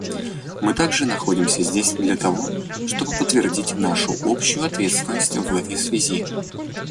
Мы также находимся здесь для того, чтобы подтвердить нашу общую ответственность в этой связи.